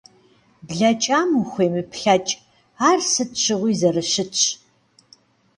Блэкӏам ухуемыплъэкӏ, ар сыт щыгъуи зэрыщытщ.